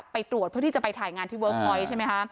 ไปตรวจเพื่อที่จะไปถ่ายงานที่เวิร์คพอยต์ใช่ไหมคะ